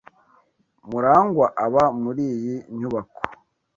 Murangwa aba muri iyi nyubako.